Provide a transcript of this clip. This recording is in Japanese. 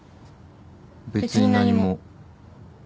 別に何も。